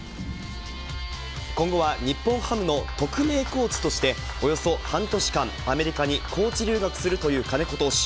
今後は日本ハムの特命コーチとして、およそ半年間、アメリカにコーチ留学するという金子投手。